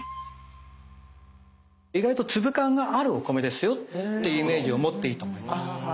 意外と粒感があるお米ですよっていうイメージを持っていいと思います。